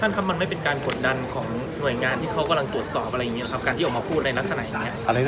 ครับมันไม่เป็นการกดดันของหน่วยงานที่เขากำลังตรวจสอบอะไรอย่างนี้ครับการที่ออกมาพูดในลักษณะร้ายอะไร